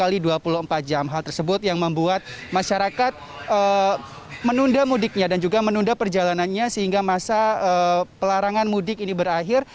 hal tersebut yang membuat masyarakat menunda mudiknya dan juga menunda perjalanannya sehingga masa pelarangan mudik ini berakhir